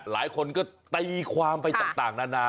หลายคนก็ตีความไปต่างนานา